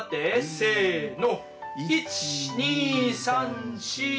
せの。